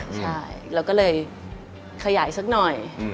ใช่เราก็เลยขยายสักหน่อย